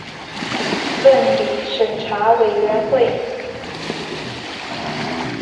伦理审查委员会